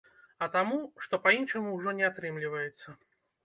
А таму, што па-іншаму ўжо не атрымліваецца.